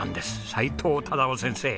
齋藤忠夫先生。